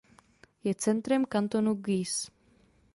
Je centrem kantonu Guise.